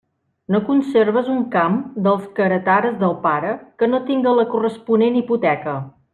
No conserves un camp dels que heretares del pare que no tinga la corresponent hipoteca.